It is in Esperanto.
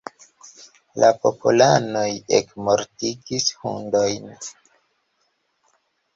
La popolanoj ekmortigis hundojn.